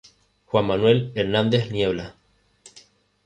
Juan Manuel Hernández Niebla.